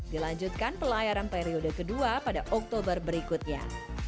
dilanjutkan pelayaran periode kedua pada oktober berikutnya